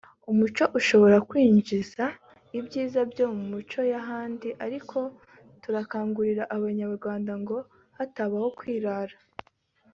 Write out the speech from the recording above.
umuco ushobora kwinjiza ibyiza byo mu mico y’ahandi ariko turakangurira Abanyarwanda ngo hatabaho kwirara